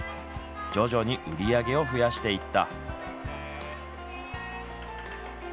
徐々に売り上げを増やしていった。